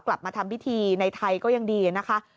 กลับมาทำพิธีในไทยก็ยังดีนะคะ